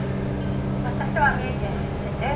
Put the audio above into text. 私は三重県出身です。